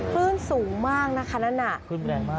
คลื่นสูงมากนะคะนั่นน่ะคลื่นแรงมาก